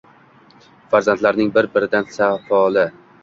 Farzandlaring bir-biridan safoli